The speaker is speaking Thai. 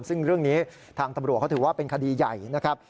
ซึ่งเรื่องนี้ทางตำรวจเขาถือว่าเป็นคดีใหญ่นะครับ